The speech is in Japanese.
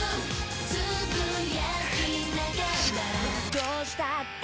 「どうしたって！